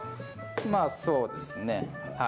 まあそうですねはい。